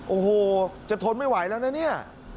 โอ้โหจะทนไม่ไหวแล้วนะเนี่ย